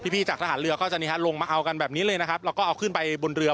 พี่จากทหารเรือก็จะลงมาเอากันแบบนี้เลยนะครับแล้วก็เอาขึ้นไปบนเรือ